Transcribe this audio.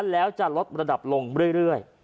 แล้วจะลดระดับลงเรื่อย